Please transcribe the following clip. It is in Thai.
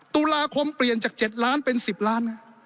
ตุลาคมเปลี่ยนจาก๗ล้านเป็น๑๐ล้าน